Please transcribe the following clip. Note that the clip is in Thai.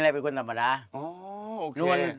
อเจมส์แล้วก็พามาเท่าไหร่ประสาทที่สุด